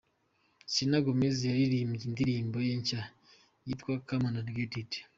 Selena Gomez yaririmbye indirimbo ye nshya yitwa Come and Get it.